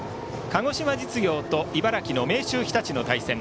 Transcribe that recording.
鹿児島実業と茨城の明秀日立の対戦。